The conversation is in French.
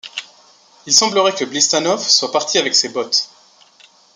Il semblerait que Blistanov soit parti avec ses bottes.